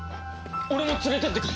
俺も連れていってくれ！